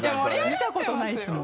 見たことないです。